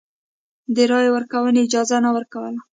د رایې ورکونې اجازه نه ورکوله.